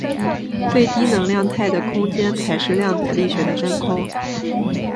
最低能量态的空间才是量子力学的真空。